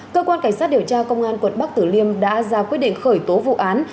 cơ quan cảnh sát điều tra công an quận bắc tử liêm đã ra quyết định khởi tố vụ án